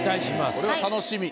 これは楽しみ。